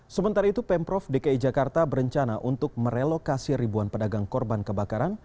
sementara itu pemprov dki jakarta berencana untuk merelokasi ribuan pedagang korban kebakaran